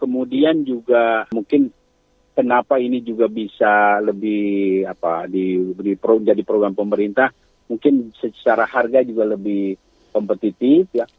mungkin juga mungkin kenapa ini juga bisa lebih apa diberi pro jadi program pemerintah mungkin secara harga juga lebih kompetitif ya